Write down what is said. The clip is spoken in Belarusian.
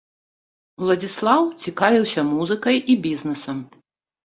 Уладзіслаў цікавіўся музыкай і бізнэсам.